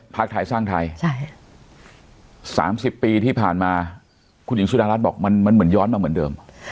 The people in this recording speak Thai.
ภาคไทยสร้างไทยใช่สามสิบปีที่ผ่านมาคุณหญิงสุดารัสบอกมันมันเหมือนย้อนมาเหมือนเดิม